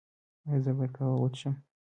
ایا زه باید قهوه وڅښم؟